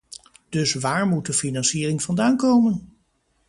Dus waar moet de financiering vandaan komen?